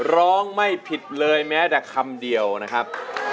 ร้องไม่ผิดเลยแม้แต่คำเดียวนะครับ